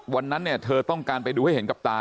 วันนั้นเนี่ยเธอต้องการไปดูให้เห็นกับตา